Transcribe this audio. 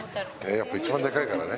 やっぱ一番でかいからね。